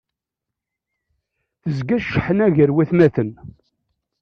Tezga cceḥna gar watmaten.